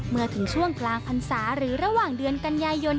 เมื่อถึงช่วงกลางพรรษาหรือระหว่างเดือนกันยายน